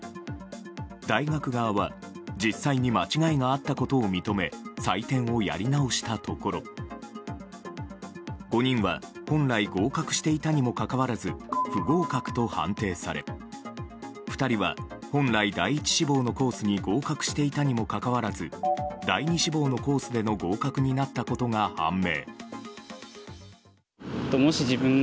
大学側は実際に間違いがあったことを認め採点をやり直したところ５人は、本来合格していたにもかかわらず不合格と判定され２人は本来、第１志望のコースに合格していたにもかかわらず第２志望のコースでの合格になったことが判明。